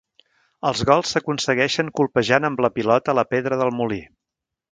Els gols s'aconsegueixen colpejant amb la pilota la pedra del molí.